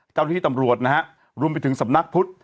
เจ้าหน้าที่ตำรวจนะฮะรวมไปถึงสำนักพุทธ